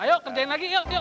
ayo kerjain lagi yuk yuk yuk